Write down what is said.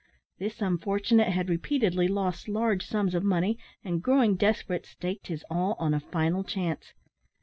This unfortunate had repeatedly lost large sums of money, and, growing desperate, staked his all on a final chance.